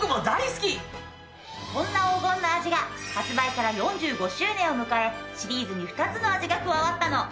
そんな黄金の味が発売から４５周年を迎えシリーズに２つの味が加わったの。